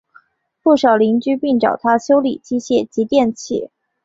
不少邻居并找他修理机械及电器。